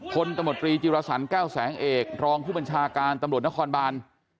คนธรรมดรีจิรษร๙แสงเอกรองผู้บัญชาการตำรวจนครบาล